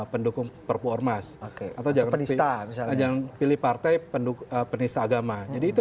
pendukung perpu ormas atau jangan pilih jangan pilih partai pendukung penista agama jadi itu